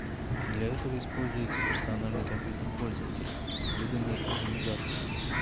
Для этого используется персональный компьютер пользователя, выданный организацией